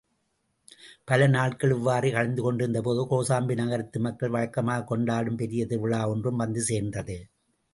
பல நாள்கள் இவ்வாறே கழிந்துகொண்டிருந்தபோது, கோசாம்பி நகரத்து மக்கள் வழக்கமாகக் கொண்டாடும் பெரிய திருவிழா ஒன்றும் வந்து சேர்ந்தது.